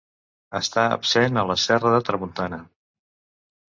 Està absent a la Serra de Tramuntana.